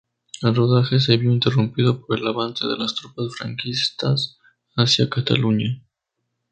El rodaje se vio interrumpido por el avance de las tropas franquistas hacia Cataluña.